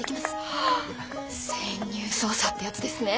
ああ潜入捜査ってやつですね。